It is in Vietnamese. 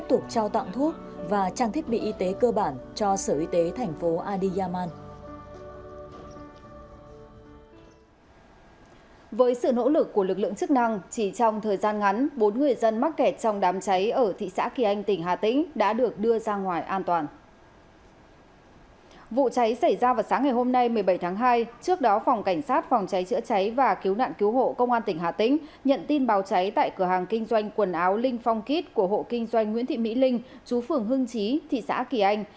phòng cháy xảy ra vào sáng ngày hôm nay một mươi bảy tháng hai trước đó phòng cảnh sát phòng cháy chữa cháy và cứu nạn cứu hộ công an tỉnh hà tĩnh nhận tin bào cháy tại cửa hàng kinh doanh quần áo linh phong kit của hộ kinh doanh nguyễn thị mỹ linh chú phường hưng chí thị xã kỳ anh